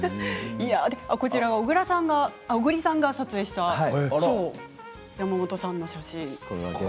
こちらは小栗さんが撮影した山本さんの写真。